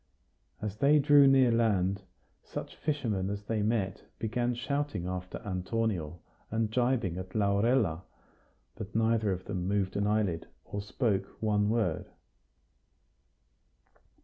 As they drew near land, such fishermen as they met began shouting after Antonio and gibing at Laurella; but neither of them moved an eyelid, or spoke one word.